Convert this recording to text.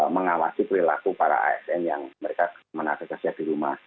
mengawasi perilaku para asm yang mereka mengakses di rumah